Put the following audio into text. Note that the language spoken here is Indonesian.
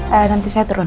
ayah nanti saya turun